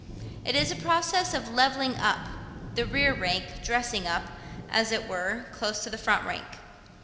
It is a process of 'levelling up;' the rear rank 'dressing up,' as it were, close to the front rank.